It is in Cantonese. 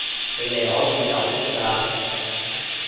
你哋可以走先㗎喇